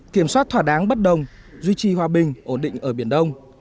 kiểm soát thỏa đáng bất đồng duy trì hòa bình ổn định ở biển đông